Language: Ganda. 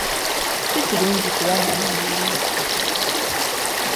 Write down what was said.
Si kirungi kuba na mululu.